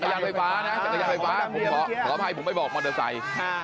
ยานไฟฟ้านะจักรยานไฟฟ้าผมขออภัยผมไปบอกมอเตอร์ไซค์